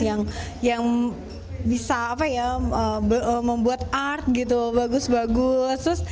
yang bisa membuat art gitu bagus bagus